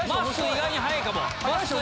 意外に早いかも。